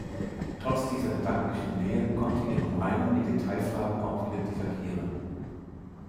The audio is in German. Trotz dieser gedanklichen Nähe konnte ihre Meinung in Detailfragen auch wieder divergieren.